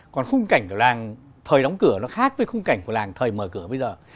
còn khung cảnh của làng thời đóng cửa nó khác với khung cảnh của làng thời mở cửa bây giờ